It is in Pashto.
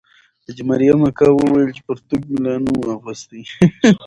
حاجي مریم اکا وویل چې پرتوګ مې لا نه وو اغوستی.